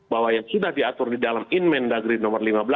bahwa yang sudah diatur di dalam inmen dagri nomor lima belas